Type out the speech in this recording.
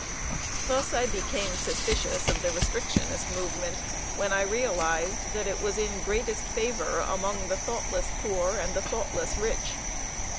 Thus I became suspicious of the restrictionist movement when I realized that it was in greatest favor among the thoughtless poor and the thoughtless rich.